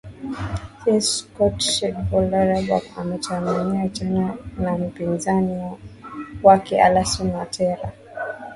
s wa cote dvoire lorah bagbo atamenyana tena na mpizani wake alasun watera